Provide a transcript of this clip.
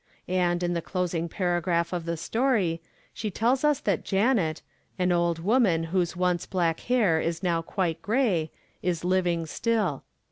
And, in the closing paragraph of the story, she tells us that Janet an old woman whose once black hair is now quite gray is living still.